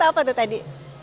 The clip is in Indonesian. joget apa tuh tadi